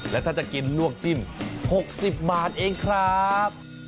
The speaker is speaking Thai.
และถ้าจะกินลวกจิ้ม๖๐บาทเองครับ